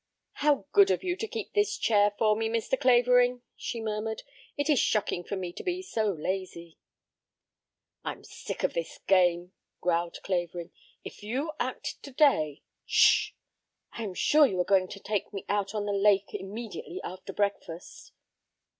"How good of you to keep this chair for me, Mr. Clavering," she murmured. "It is shocking of me to be so lazy." "I'm sick of this game," growled Clavering. "If you act today " "Shh! I am sure you are going to take me out on the lake immediately after breakfast."